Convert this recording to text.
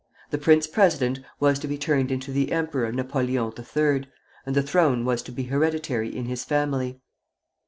The prince president was to be turned into the Emperor Napoleon III., and the throne was to be hereditary in his family.